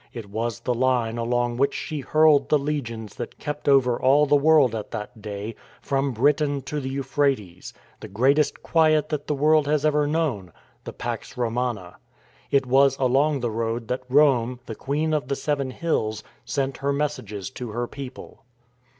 It was the line along which she hurled the legions that kept over all the world at that day, from Britain to the Euphrates, 139 140 THE FORWARD TREAD the greatest quiet that the world has ever known — the Pax Romana. It was along the road that Rome, the Queen of the Seven Hills, sent her messages to her people.